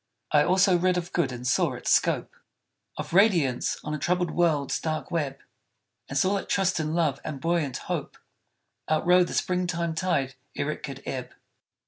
I also read of good and saw its scope Of radiance on a troubled world's dark web; And saw that trust and love and buoyant hope Outrode the spring time tide ere it could ebb.